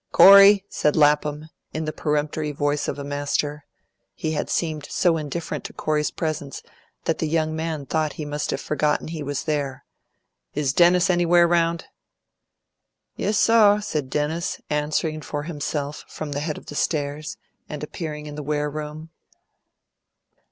"Corey!" said Lapham, in the peremptory voice of a master, he had seemed so indifferent to Corey's presence that the young man thought he must have forgotten he was there, "Is Dennis anywhere round?" "Yissor," said Dennis, answering for himself from the head of the stairs, and appearing in the ware room.